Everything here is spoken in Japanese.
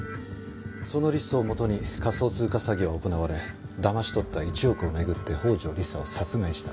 そのリストをもとに仮想通貨詐欺は行われだまし取った１億を巡って宝城理沙を殺害した。